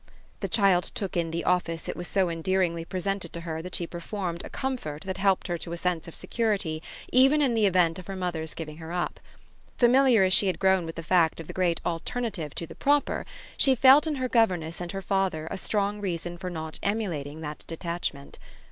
The child took in the office it was so endearingly presented to her that she performed a comfort that helped her to a sense of security even in the event of her mother's giving her up. Familiar as she had grown with the fact of the great alternative to the proper, she felt in her governess and her father a strong reason for not emulating that detachment.